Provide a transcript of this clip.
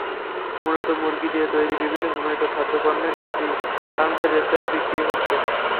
মূলত মুরগি দিয়ে তৈরি বিভিন্ন হিমায়িত খাদ্যপণ্যই কাজী ফার্মসের স্টলে বিক্রি হচ্ছে।